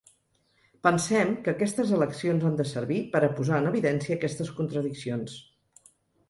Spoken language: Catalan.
Pensem que aquestes eleccions han de servir per a posar en evidència aquestes contradiccions.